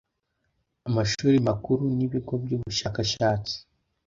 Amashuri makuru n ibigo by ubushakashatsi